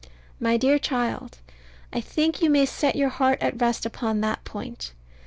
My dear child, I think you may set your heart at rest upon that point.